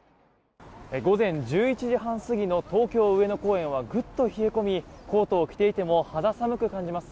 午前１１時半過ぎの東京・上野公園はグッと冷え込みコートを着ていても肌寒く感じます。